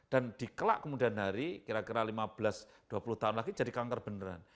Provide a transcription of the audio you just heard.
dan di kelak kemudian dari kira kira lima belas dua puluh tahun lagi jadi kanker beneran